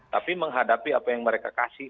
tapi menghadapi apa yang mereka kasih